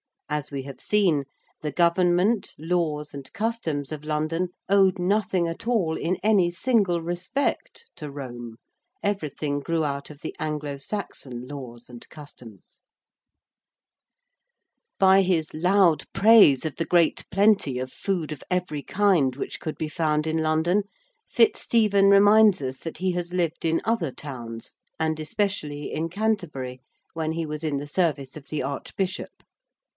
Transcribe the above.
As we have seen, the government, laws, and customs of London owed nothing at all, in any single respect, to Rome. Everything grew out of the Anglo Saxon laws and customs. [Illustration: ECCLESIASTICAL COSTUME IN THE TWELFTH CENTURY.] By his loud praise of the great plenty of food of every kind which could be found in London, FitzStephen reminds us that he has lived in other towns, and especially in Canterbury, when he was in the service of the Archbishop.